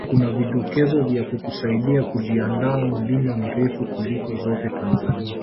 kuna vidokezo vya kukusaidia kujiandaa mlima mrefu kuliko zote Tanzania